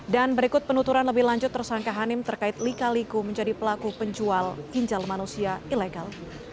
dan berikut penuturan lebih lanjut tersangka hani terkait lika liku menjadi pelaku penjual ginjal manusia ilegal